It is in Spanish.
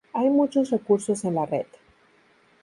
Hay muchos recursos en la red.